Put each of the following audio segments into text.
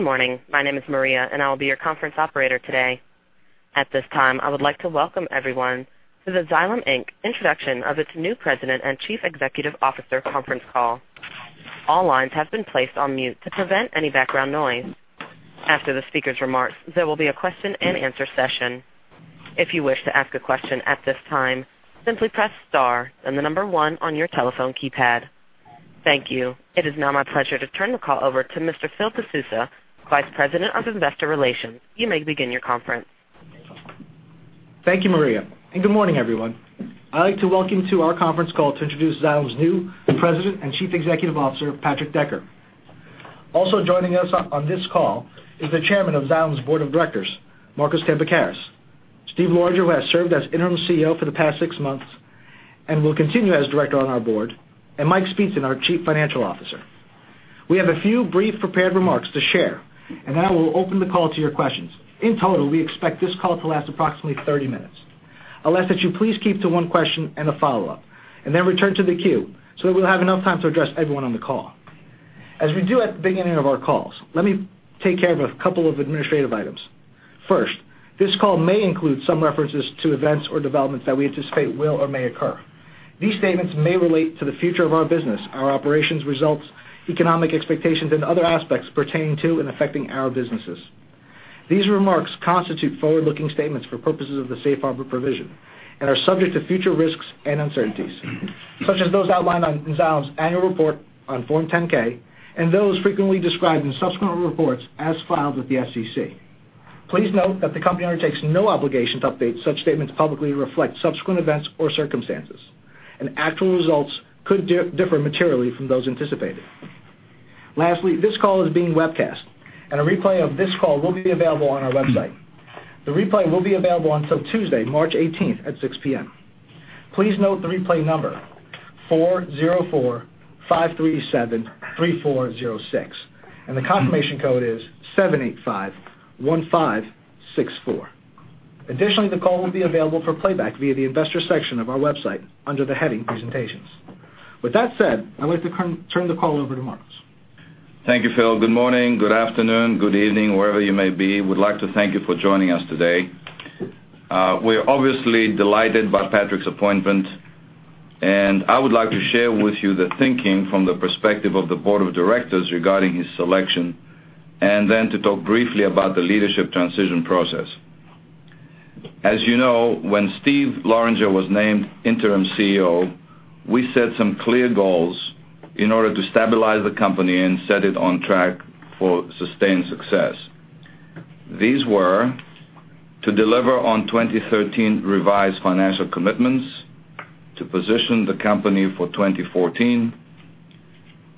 Good morning. My name is Maria, I will be your conference operator today. At this time, I would like to welcome everyone to the Xylem Inc. Introduction of its New President and Chief Executive Officer conference call. All lines have been placed on mute to prevent any background noise. After the speaker's remarks, there will be a question-and-answer session. If you wish to ask a question at this time, simply press star then the number one on your telephone keypad. Thank you. It is now my pleasure to turn the call over to Mr. Phil DeSousa, Vice President of Investor Relations. You may begin your conference. Thank you, Maria, good morning, everyone. I'd like to welcome you to our conference call to introduce Xylem's new President and Chief Executive Officer, Patrick Decker. Also joining us on this call is the chairman of Xylem's Board of Directors, Markos Tambakeras, Steve Loranger, who has served as interim CEO for the past six months and will continue as director on our board, Mike Speetzen, our Chief Financial Officer. We have a few brief prepared remarks to share, we'll open the call to your questions. In total, we expect this call to last approximately 30 minutes. I'll ask that you please keep to one question and a follow-up, return to the queue, we'll have enough time to address everyone on the call. As we do at the beginning of our calls, let me take care of a couple of administrative items. First, this call may include some references to events or developments that we anticipate will or may occur. These statements may relate to the future of our business, our operations results, economic expectations, and other aspects pertaining to and affecting our businesses. These remarks constitute forward-looking statements for purposes of the Safe Harbor provision and are subject to future risks and uncertainties, such as those outlined on Xylem's annual report on Form 10-K, those frequently described in subsequent reports as filed with the SEC. Please note that the company undertakes no obligation to update such statements publicly or reflect subsequent events or circumstances, actual results could differ materially from those anticipated. Lastly, this call is being webcast, a replay of this call will be available on our website. The replay will be available until Tuesday, March 18th at 6:00 P.M. Please note the replay number: 404-537-3406, the confirmation code is 7851564. Additionally, the call will be available for playback via the investor section of our website under the heading Presentations. With that said, I'd like to turn the call over to Markos. Thank you, Phil. Good morning, good afternoon, good evening, wherever you may be. We'd like to thank you for joining us today. We're obviously delighted by Patrick's appointment, and I would like to share with you the thinking from the perspective of the board of directors regarding his selection, and then to talk briefly about the leadership transition process. As you know, when Steve Loranger was named interim CEO, we set some clear goals in order to stabilize the company and set it on track for sustained success. These were to deliver on 2013 revised financial commitments, to position the company for 2014,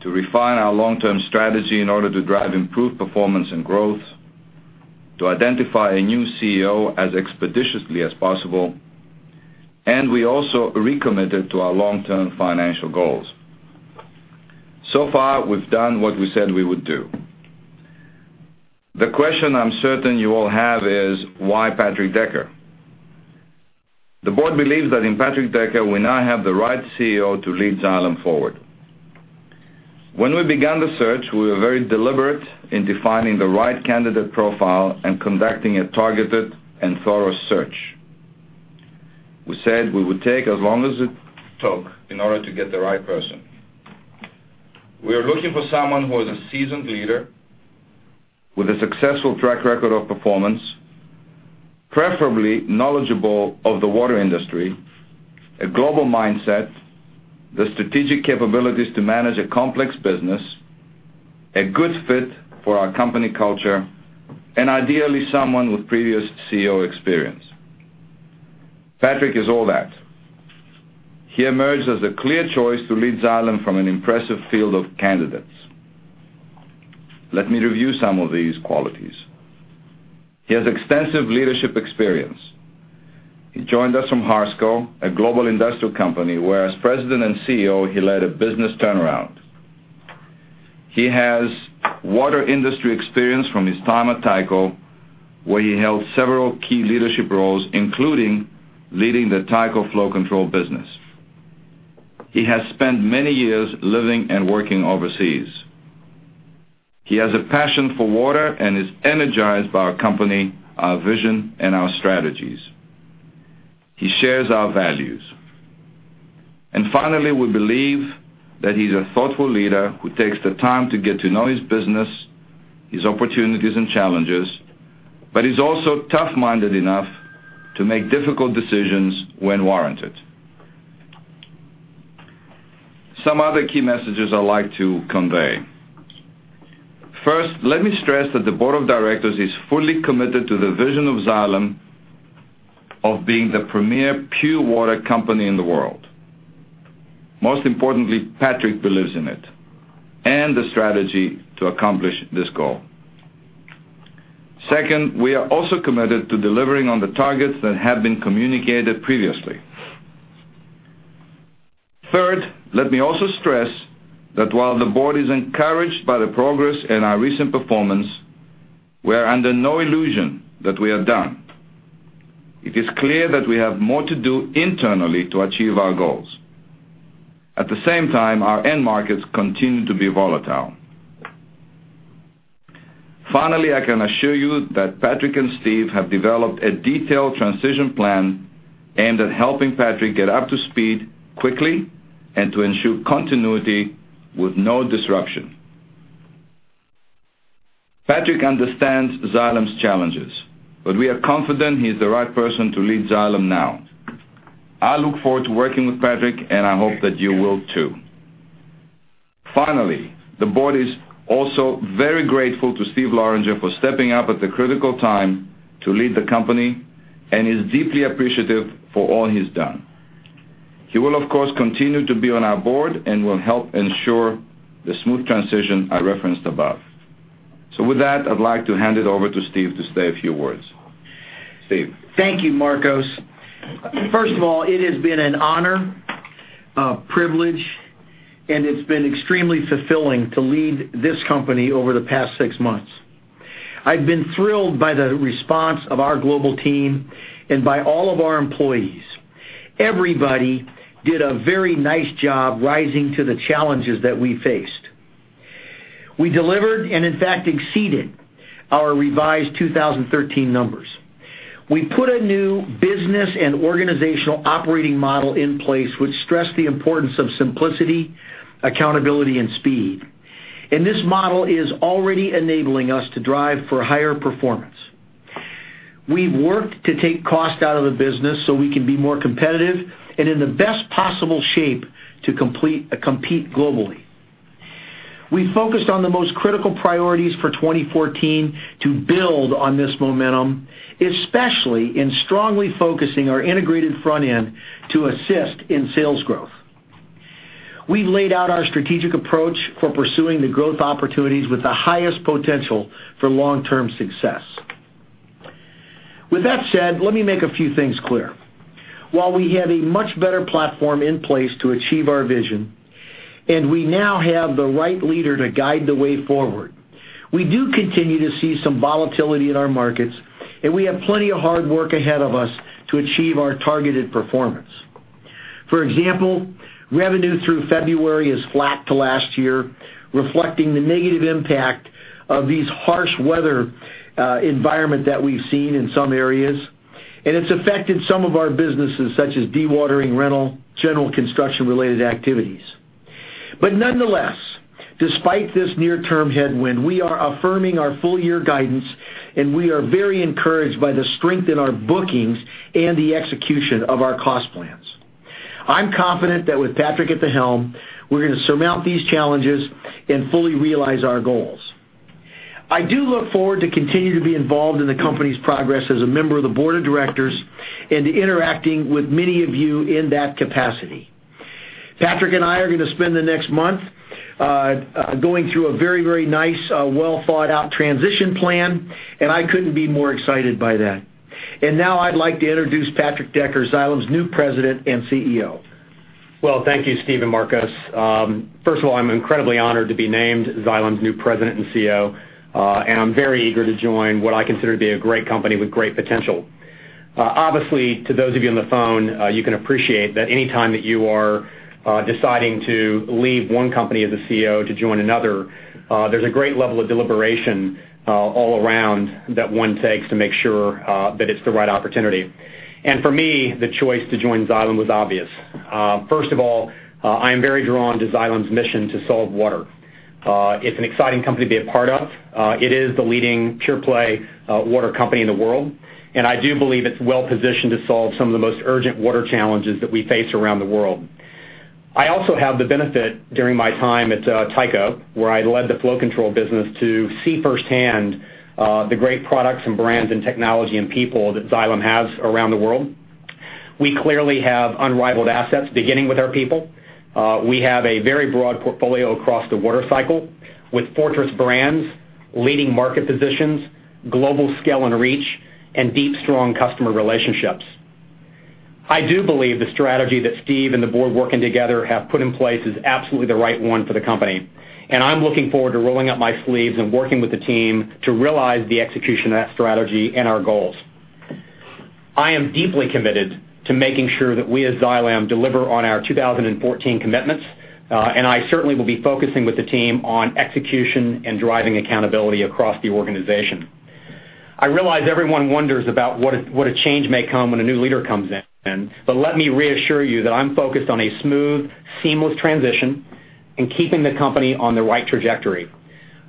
to refine our long-term strategy in order to drive improved performance and growth, to identify a new CEO as expeditiously as possible, and we also recommitted to our long-term financial goals. So far, we've done what we said we would do. The question I'm certain you all have is: Why Patrick Decker? The board believes that in Patrick Decker, we now have the right CEO to lead Xylem forward. When we began the search, we were very deliberate in defining the right candidate profile and conducting a targeted and thorough search. We said we would take as long as it took in order to get the right person. We were looking for someone who is a seasoned leader with a successful track record of performance, preferably knowledgeable of the water industry, a global mindset, the strategic capabilities to manage a complex business, a good fit for our company culture, and ideally someone with previous CEO experience. Patrick is all that. He emerged as a clear choice to lead Xylem from an impressive field of candidates. Let me review some of these qualities. He has extensive leadership experience. He joined us from Harsco, a global industrial company where, as president and CEO, he led a business turnaround. He has water industry experience from his time at Tyco, where he held several key leadership roles, including leading the Tyco Flow Control business. He has spent many years living and working overseas. He has a passion for water and is energized by our company, our vision, and our strategies. He shares our values. Finally, we believe that he's a thoughtful leader who takes the time to get to know his business, his opportunities and challenges, but he's also tough-minded enough to make difficult decisions when warranted. Some other key messages I'd like to convey. First, let me stress that the board of directors is fully committed to the vision of Xylem of being the premier pure water company in the world. Most importantly, Patrick believes in it, and the strategy to accomplish this goal. Second, we are also committed to delivering on the targets that have been communicated previously. Third, let me also stress that while the board is encouraged by the progress in our recent performance, we are under no illusion that we are done. It is clear that we have more to do internally to achieve our goals. At the same time, our end markets continue to be volatile. Finally, I can assure you that Patrick and Steve have developed a detailed transition plan aimed at helping Patrick get up to speed quickly and to ensure continuity with no disruption. Patrick understands Xylem's challenges, but we are confident he's the right person to lead Xylem now. I look forward to working with Patrick, and I hope that you will too. Finally, the board is also very grateful to Steve Loranger for stepping up at the critical time to lead the company and is deeply appreciative for all he's done. He will, of course, continue to be on our board and will help ensure the smooth transition I referenced above. With that, I'd like to hand it over to Steve to say a few words. Steve. Thank you, Markos. First of all, it has been an honor, a privilege, and it's been extremely fulfilling to lead this company over the past six months. I've been thrilled by the response of our global team and by all of our employees. Everybody did a very nice job rising to the challenges that we faced. We delivered and in fact, exceeded our revised 2013 numbers. We put a new business and organizational operating model in place, which stressed the importance of simplicity, accountability, and speed. This model is already enabling us to drive for higher performance. We've worked to take cost out of the business so we can be more competitive and in the best possible shape to compete globally. We focused on the most critical priorities for 2014 to build on this momentum, especially in strongly focusing our integrated front end to assist in sales growth. We laid out our strategic approach for pursuing the growth opportunities with the highest potential for long-term success. With that said, let me make a few things clear. While we have a much better platform in place to achieve our vision, we now have the right leader to guide the way forward, we do continue to see some volatility in our markets, we have plenty of hard work ahead of us to achieve our targeted performance. For example, revenue through February is flat to last year, reflecting the negative impact of these harsh weather environment that we've seen in some areas, it's affected some of our businesses, such as dewatering, rental, general construction-related activities. Nonetheless, despite this near-term headwind, we are affirming our full-year guidance, we are very encouraged by the strength in our bookings and the execution of our cost plans. I'm confident that with Patrick at the helm, we're going to surmount these challenges and fully realize our goals. I do look forward to continuing to be involved in the company's progress as a member of the board of directors and interacting with many of you in that capacity. Patrick and I are going to spend the next month going through a very, very nice, well-thought-out transition plan, and I couldn't be more excited by that. Now I'd like to introduce Patrick Decker, Xylem's new President and CEO. Thank you, Steve and Markos. First of all, I'm incredibly honored to be named Xylem's new President and CEO, and I'm very eager to join what I consider to be a great company with great potential. Obviously, to those of you on the phone, you can appreciate that any time that you are deciding to leave one company as a CEO to join another, there's a great level of deliberation all around that one takes to make sure that it's the right opportunity. For me, the choice to join Xylem was obvious. First of all, I am very drawn to Xylem's mission to solve water. It's an exciting company to be a part of. It is the leading pure play water company in the world, and I do believe it's well-positioned to solve some of the most urgent water challenges that we face around the world. I also have the benefit during my time at Tyco, where I led the Flow Control business to see firsthand the great products and brands and technology and people that Xylem has around the world. We clearly have unrivaled assets, beginning with our people. We have a very broad portfolio across the water cycle with fortress brands, leading market positions, global scale and reach, and deep, strong customer relationships. I do believe the strategy that Steve and the board working together have put in place is absolutely the right one for the company. I'm looking forward to rolling up my sleeves and working with the team to realize the execution of that strategy and our goals. I am deeply committed to making sure that we, as Xylem, deliver on our 2014 commitments, and I certainly will be focusing with the team on execution and driving accountability across the organization. I realize everyone wonders about what a change may come when a new leader comes in, but let me reassure you that I'm focused on a smooth, seamless transition and keeping the company on the right trajectory.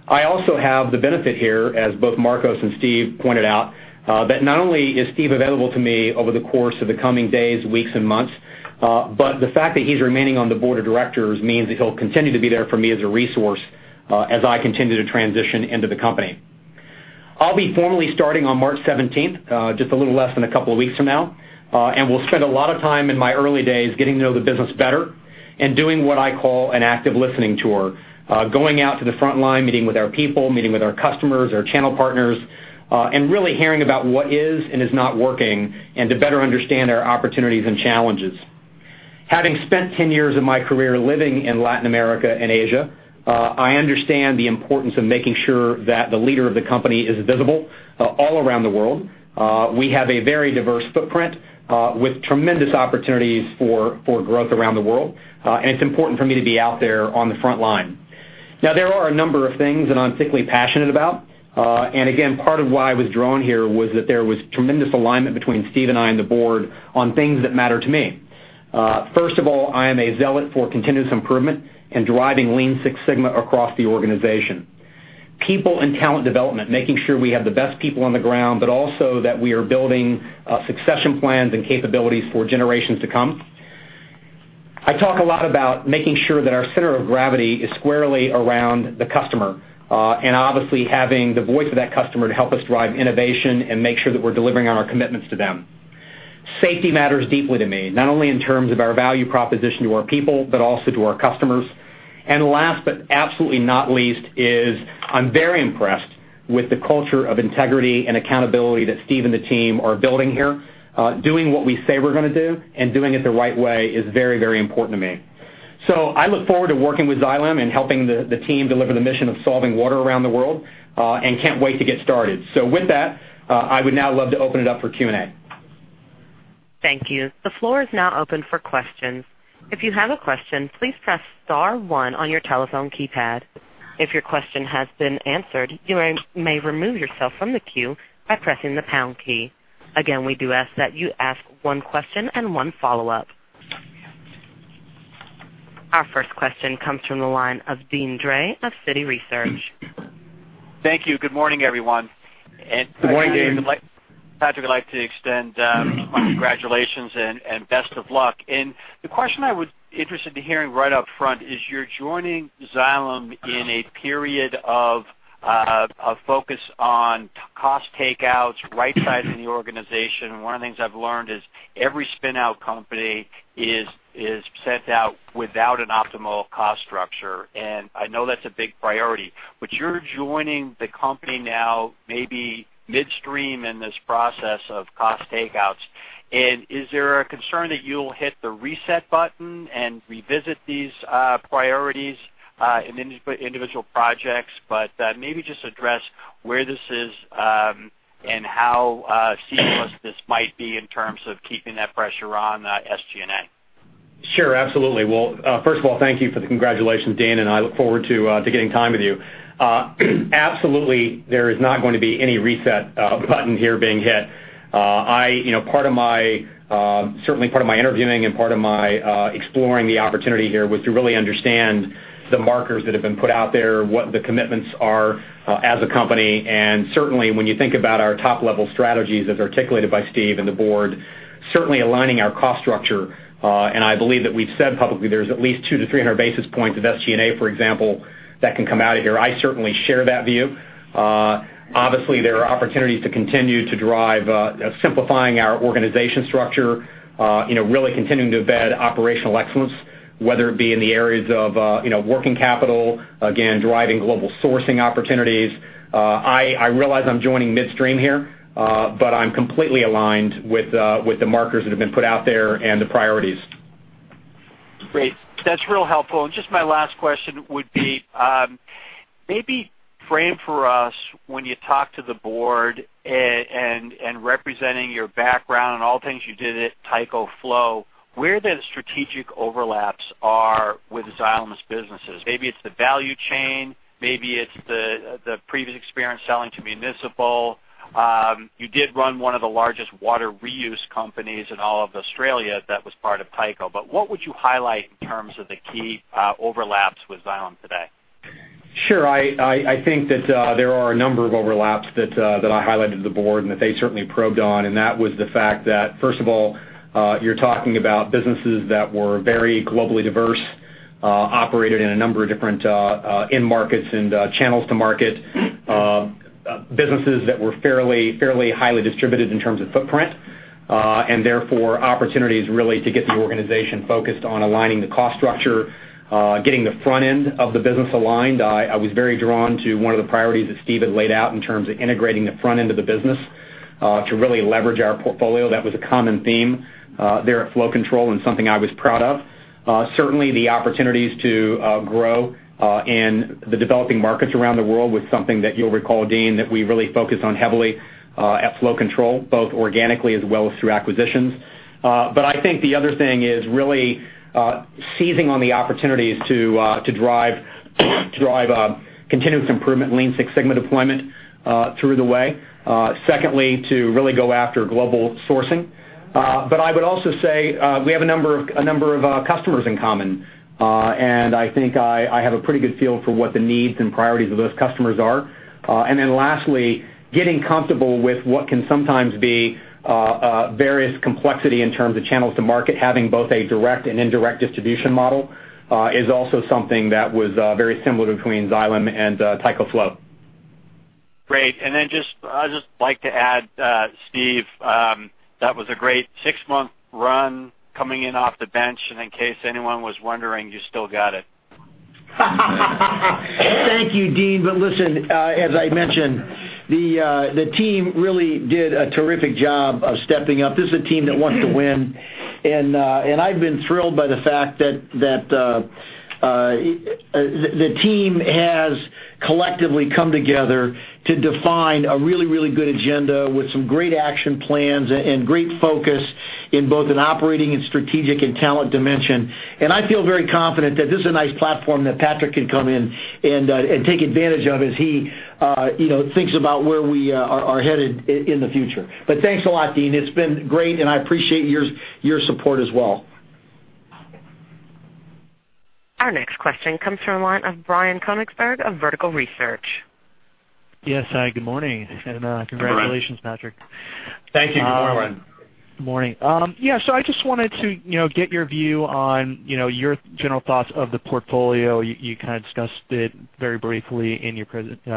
I also have the benefit here, as both Markos and Steve pointed out, that not only is Steve available to me over the course of the coming days, weeks, and months, but the fact that he's remaining on the Board of Directors means that he'll continue to be there for me as a resource as I continue to transition into the company. I'll be formally starting on March 17th, just a little less than a couple of weeks from now, and will spend a lot of time in my early days getting to know the business better and doing what I call an active listening tour. Going out to the front line, meeting with our people, meeting with our customers, our channel partners, and really hearing about what is and is not working, and to better understand our opportunities and challenges. Having spent 10 years of my career living in Latin America and Asia, I understand the importance of making sure that the leader of the company is visible all around the world. We have a very diverse footprint with tremendous opportunities for growth around the world. It's important for me to be out there on the front line. Now, there are a number of things that I'm particularly passionate about. Again, part of why I was drawn here was that there was tremendous alignment between Steve and I and the board on things that matter to me. First of all, I am a zealot for continuous improvement and driving Lean Six Sigma across the organization. People and talent development, making sure we have the best people on the ground, but also that we are building succession plans and capabilities for generations to come. I talk a lot about making sure that our center of gravity is squarely around the customer. Obviously, having the voice of that customer to help us drive innovation and make sure that we're delivering on our commitments to them. Safety matters deeply to me, not only in terms of our value proposition to our people, but also to our customers. Last, but absolutely not least, is I'm very impressed with the culture of integrity and accountability that Steve and the team are building here. Doing what we say we're going to do and doing it the right way is very important to me. I look forward to working with Xylem and helping the team deliver the mission of solving water around the world, and can't wait to get started. With that, I would now love to open it up for Q&A. Thank you. The floor is now open for questions. If you have a question, please press star one on your telephone keypad. If your question has been answered, you may remove yourself from the queue by pressing the pound key. Again, we do ask that you ask one question and one follow-up. Our first question comes from the line of Deane Dray of Citi Research. Thank you. Good morning, everyone. Good morning, Deane. Patrick, I'd like to extend my congratulations and best of luck. The question I would be interested in hearing right up front is you're joining Xylem in a period of a focus on cost takeouts, right-sizing the organization. One of the things I've learned is every spin-out company is sent out without an optimal cost structure, and I know that's a big priority. You're joining the company now maybe midstream in this process of cost takeouts. Is there a concern that you'll hit the reset button and revisit these priorities in individual projects? Maybe just address where this is, and how seamless this might be in terms of keeping that pressure on SG&A. Sure, absolutely. Well, first of all, thank you for the congratulations, Deane, and I look forward to getting time with you. Absolutely there is not going to be any reset button here being hit. Certainly part of my interviewing and part of my exploring the opportunity here was to really understand the markers that have been put out there, what the commitments are as a company, and certainly when you think about our top-level strategies as articulated by Steve and the board, certainly aligning our cost structure. I believe that we've said publicly there's at least two to 300 basis points of SG&A, for example, that can come out of here. I certainly share that view. Obviously, there are opportunities to continue to drive simplifying our organization structure, really continuing to embed operational excellence, whether it be in the areas of working capital, again, driving global sourcing opportunities. I realize I'm joining midstream here, but I'm completely aligned with the markers that have been put out there and the priorities. Great. That's real helpful. Just my last question would be, maybe frame for us when you talk to the board and representing your background and all the things you did at Tyco Flow, where the strategic overlaps are with Xylem's businesses. Maybe it's the value chain, maybe it's the previous experience selling to municipal. You did run one of the largest water reuse companies in all of Australia that was part of Tyco. What would you highlight in terms of the key overlaps with Xylem today? Sure. I think that there are a number of overlaps that I highlighted to the board and that they certainly probed on, and that was the fact that, first of all, you're talking about businesses that were very globally diverse, operated in a number of different end markets and channels to market, businesses that were fairly highly distributed in terms of footprint, and therefore opportunities really to get the organization focused on aligning the cost structure, getting the front end of the business aligned. I was very drawn to one of the priorities that Steve had laid out in terms of integrating the front end of the business, to really leverage our portfolio. That was a common theme there at Flow Control and something I was proud of. Certainly, the opportunities to grow in the developing markets around the world was something that you'll recall, Deane, that we really focused on heavily at Flow Control, both organically as well as through acquisitions. I think the other thing is really seizing on the opportunities to drive continuous improvement, Lean Six Sigma deployment through the way. Secondly, to really go after global sourcing. I would also say we have a number of customers in common. I think I have a pretty good feel for what the needs and priorities of those customers are. Then lastly, getting comfortable with what can sometimes be various complexity in terms of channels to market, having both a direct and indirect distribution model is also something that was very similar between Xylem and Tyco Flow. Great. Then I'd just like to add, Steve, that was a great six-month run coming in off the bench, and in case anyone was wondering, you still got it. Thank you, Deane. Listen, as I mentioned, the team really did a terrific job of stepping up. This is a team that wants to win. I've been thrilled by the fact that the team has collectively come together to define a really good agenda with some great action plans and great focus in both an operating and strategic and talent dimension. I feel very confident that this is a nice platform that Patrick can come in and take advantage of as he thinks about where we are headed in the future. Thanks a lot, Deane. It's been great, and I appreciate your support as well. Our next question comes from the line of Brian Konigsberg of Vertical Research. Yes. Good morning. Good morning. Congratulations, Patrick. Thank you. Good morning. Good morning. I just wanted to get your view on your general thoughts of the portfolio. You kind of discussed it very briefly in your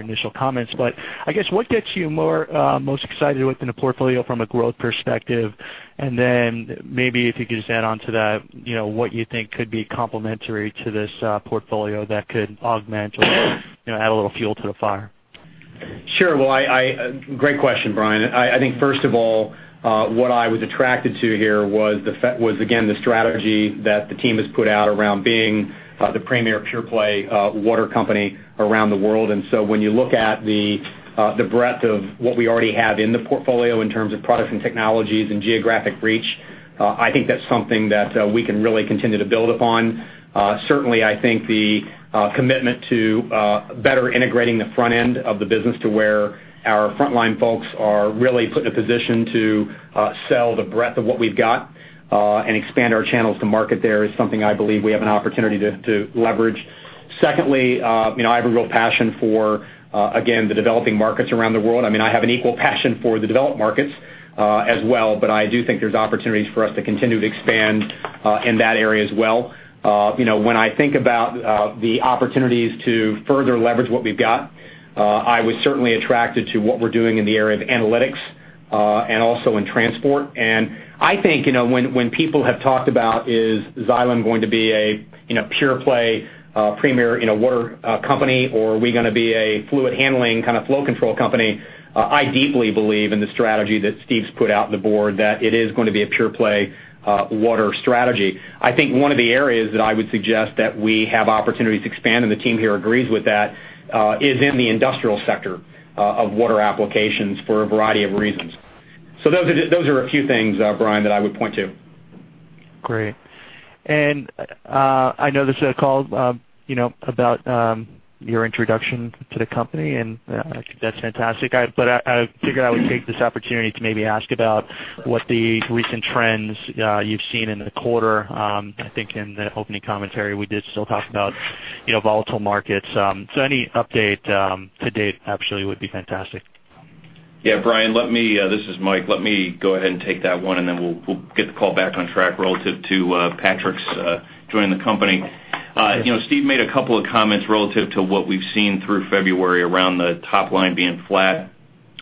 initial comments, but I guess, what gets you most excited within the portfolio from a growth perspective? Then maybe if you could just add onto that, what you think could be complementary to this portfolio that could augment or add a little fuel to the fire? Sure. Great question, Brian. I think first of all, what I was attracted to here was, again, the strategy that the team has put out around being the premier pure play water company around the world. When you look at the breadth of what we already have in the portfolio in terms of products and technologies and geographic reach, I think that's something that we can really continue to build upon. Certainly, I think the commitment to better integrating the front end of the business to where our frontline folks are really put in a position to sell the breadth of what we've got, and expand our channels to market there is something I believe we have an opportunity to leverage. Secondly, I have a real passion for, again, the developing markets around the world. I have an equal passion for the developed markets as well, I do think there's opportunities for us to continue to expand in that area as well. When I think about the opportunities to further leverage what we've got, I was certainly attracted to what we're doing in the area of analytics, and also in transport. I think when people have talked about is Xylem going to be a pure play, premier water company or are we going to be a fluid handling, kind of Flow Control company? I deeply believe in the strategy that Steve's put out in the board, that it is going to be a pure play water strategy. I think one of the areas that I would suggest that we have opportunities to expand, and the team here agrees with that, is in the industrial sector of water applications for a variety of reasons. Those are a few things, Brian, that I would point to. Great. I know this is a call about your introduction to the company, I think that's fantastic. I figured I would take this opportunity to maybe ask about what the recent trends you've seen in the quarter. I think in the opening commentary we did still talk about volatile markets. Any update to date actually would be fantastic. Yeah, Brian, this is Mike. Let me go ahead and take that one and then we'll get the call back on track relative to Patrick's joining the company. Okay. Steve made a couple of comments relative to what we've seen through February around the top line being flat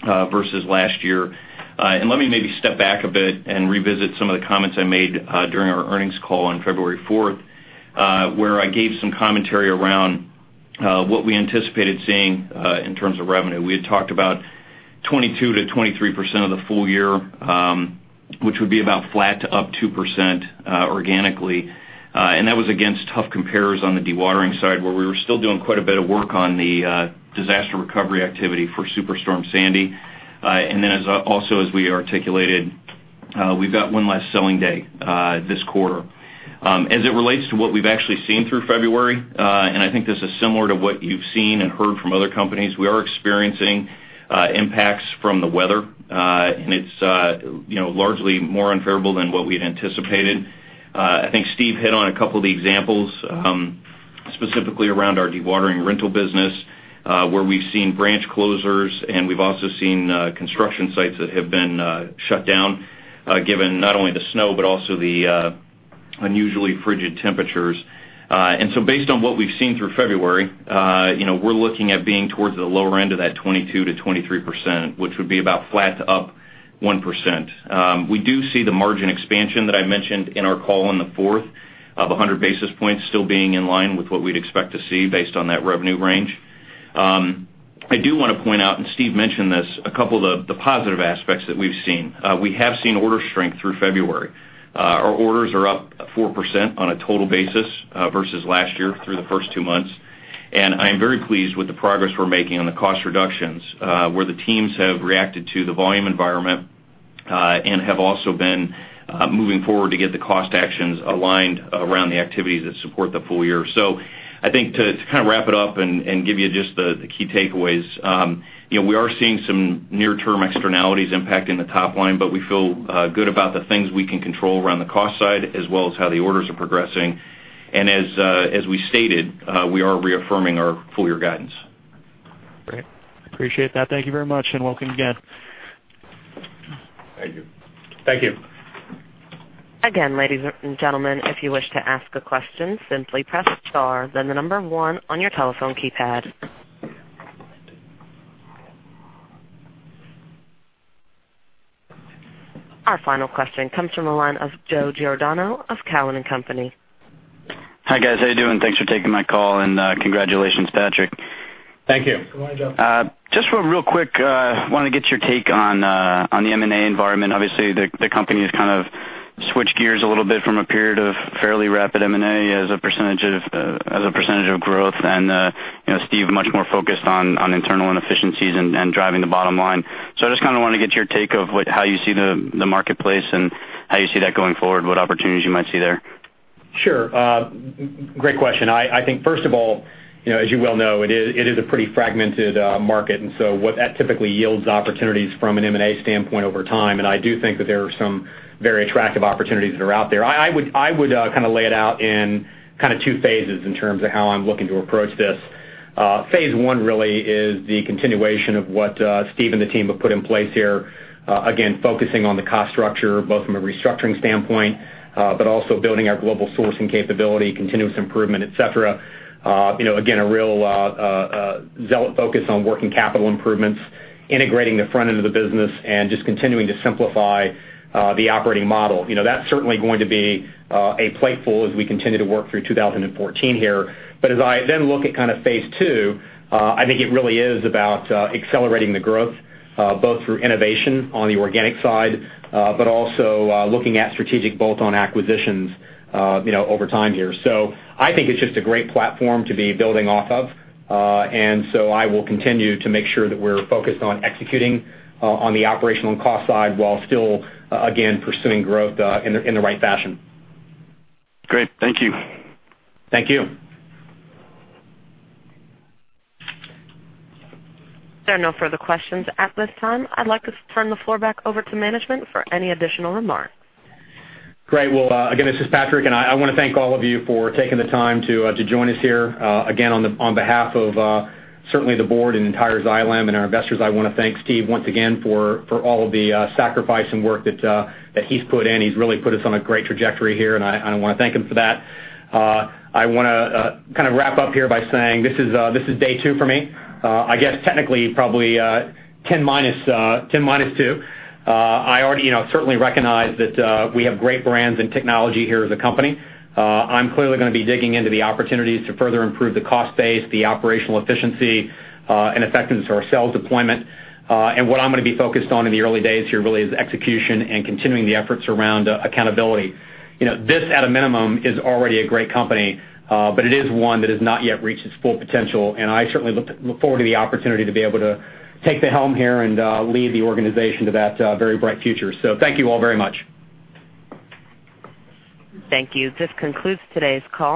versus last year. Let me maybe step back a bit and revisit some of the comments I made during our earnings call on February 4th, where I gave some commentary around what we anticipated seeing in terms of revenue. We had talked about 22%-23% of the full year, which would be about flat to up 2% organically. That was against tough compares on the dewatering side, where we were still doing quite a bit of work on the disaster recovery activity for Superstorm Sandy. Also as we articulated, we've got one less selling day this quarter. As it relates to what we've actually seen through February, and I think this is similar to what you've seen and heard from other companies, we are experiencing impacts from the weather. It's largely more unfavorable than what we had anticipated. I think Steve hit on a couple of the examples, specifically around our dewatering rental business, where we've seen branch closures and we've also seen construction sites that have been shut down, given not only the snow, but also the unusually frigid temperatures. Based on what we've seen through February, we're looking at being towards the lower end of that 22%-23%, which would be about flat to up 1%. We do see the margin expansion that I mentioned in our call on the 4th of 100 basis points still being in line with what we'd expect to see based on that revenue range. I do want to point out, and Steve mentioned this, a couple of the positive aspects that we've seen. We have seen order strength through February. Our orders are up 4% on a total basis versus last year through the first two months. I am very pleased with the progress we're making on the cost reductions, where the teams have reacted to the volume environment, and have also been moving forward to get the cost actions aligned around the activities that support the full year. I think to kind of wrap it up and give you just the key takeaways. We are seeing some near term externalities impacting the top line, but we feel good about the things we can control around the cost side as well as how the orders are progressing. As we stated, we are reaffirming our full year guidance. Great. Appreciate that. Thank you very much, and welcome again. Thank you. Thank you. Again, ladies and gentlemen, if you wish to ask a question, simply press star then the number 1 on your telephone keypad. Our final question comes from the line of Joe Giordano of Cowen and Company. Hi, guys. How you doing? Thanks for taking my call, and congratulations, Patrick. Thank you. Good morning, Joe. I just real quick, want to get your take on the M&A environment. Obviously, the company has kind of switched gears a little bit from a period of fairly rapid M&A as a percentage of growth. Steve, much more focused on internal inefficiencies and driving the bottom line. I just kind of want to get your take of how you see the marketplace and how you see that going forward, what opportunities you might see there. Sure. Great question. I think, first of all, as you well know, it is a pretty fragmented market. What that typically yields opportunities from an M&A standpoint over time, and I do think that there are some very attractive opportunities that are out there. I would kind of lay it out in kind of two phases in terms of how I'm looking to approach this. Phase one really is the continuation of what Steve and the team have put in place here. Again, focusing on the cost structure, both from a restructuring standpoint, but also building our global sourcing capability, continuous improvement, et cetera. Again, a real zealot focus on working capital improvements, integrating the front end of the business, and just continuing to simplify the operating model. That's certainly going to be a plateful as we continue to work through 2014 here. As I look at kind of phase two, I think it really is about accelerating the growth, both through innovation on the organic side, but also looking at strategic bolt-on acquisitions over time here. I think it's just a great platform to be building off of. I will continue to make sure that we're focused on executing on the operational and cost side while still again, pursuing growth in the right fashion. Great. Thank you. Thank you. There are no further questions at this time. I'd like to turn the floor back over to management for any additional remarks. Great. Well, again, this is Patrick. I want to thank all of you for taking the time to join us here. On behalf of certainly the board and entire Xylem and our investors, I want to thank Steve once again for all of the sacrifice and work that he's put in. He's really put us on a great trajectory here. I want to thank him for that. I want to kind of wrap up here by saying this is day two for me. I guess technically probably 10 minus two. I already certainly recognize that we have great brands and technology here as a company. I'm clearly going to be digging into the opportunities to further improve the cost base, the operational efficiency, and effectiveness of our sales deployment. What I'm going to be focused on in the early days here really is execution and continuing the efforts around accountability. This, at a minimum, is already a great company, but it is one that has not yet reached its full potential. I certainly look forward to the opportunity to be able to take the helm here and lead the organization to that very bright future. Thank you all very much. Thank you. This concludes today's call.